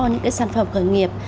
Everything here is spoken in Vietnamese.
những sản phẩm khởi nghiệp